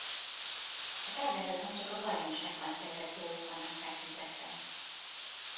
A táblázatban csak a bajnokságban szerzett gólok vannak feltüntetve.